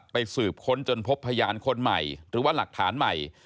สืบค้นจนพบพยานคนใหม่หรือว่าหลักฐานใหม่